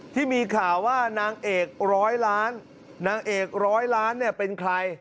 ที่มีข่าวว่านางเอกร้อยล้านนางเอกร้อยล้านเนี่ยเป็นใคร